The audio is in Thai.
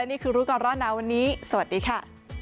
สวัสดีค่ะพบกับช่วงนี้สวัสดีค่ะ